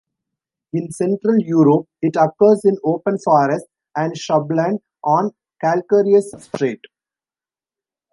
In central Europe, it occurs in open forests and shrubland on calcareous substrate.